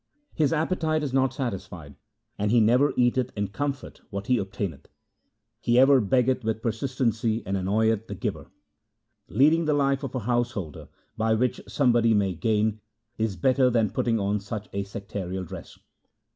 His appetite is not satisfied, and he never eateth in comfort what he obtaineth. He ever beggeth with persistency and annoyeth the giver. Leading the life of a householder, by which somebody may gain, is better than putting on such a sectarial dress.